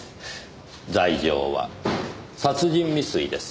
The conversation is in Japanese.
罪状は殺人未遂です。